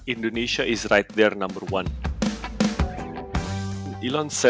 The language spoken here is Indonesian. indonesia adalah nomor satu di sana